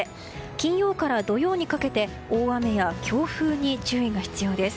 金曜から土曜にかけて大雨や強風に注意が必要です。